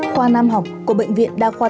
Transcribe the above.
khoa nam học của bệnh viện đào khánh